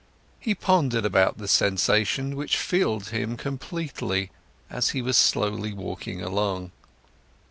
He pondered about this sensation, which filled him completely, as he was slowly walking along.